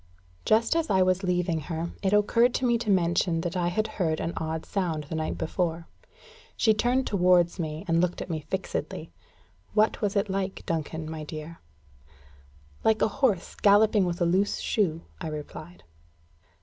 Just as I was leaving her, it occurred to me to mention that I had heard an odd sound the night before. She turned towards me, and looked at me fixedly. "What was it like, Duncan, my dear?" "Like a horse galloping with a loose shoe," I replied.